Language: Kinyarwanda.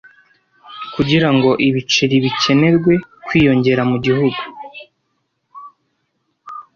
Kugira ngo ibiceri bikenerwe kwiyongera mu gihugu,